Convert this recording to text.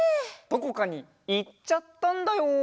どこかにいっちゃったんだよ。